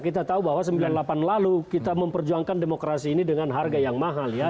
kita tahu bahwa sembilan puluh delapan lalu kita memperjuangkan demokrasi ini dengan harga yang mahal ya